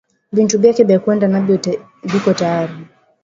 Bintu byake bya kwenda nabyo biko tayari